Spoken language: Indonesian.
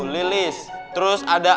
lilis terus ada